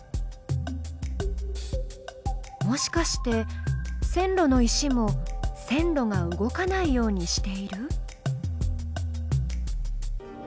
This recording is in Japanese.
もしかして線路の石も線路が動かないようにしている？